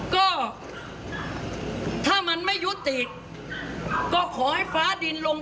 ขอบคุณครับขอบคุณครับแล้วก็เวลาหนู